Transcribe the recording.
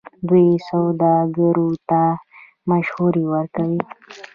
دوی سوداګرو ته مشورې ورکوي.